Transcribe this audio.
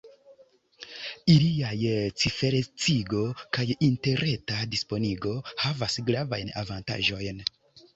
Iliaj ciferecigo kaj interreta disponigo havas gravajn avantaĝojn.